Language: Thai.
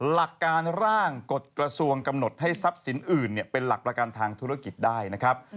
หลักการร่างกฎกระทรวงกำหนดให้ทรัพย์สินอื่นเป็นหลักประกันทางธุรกิจได้นะครับ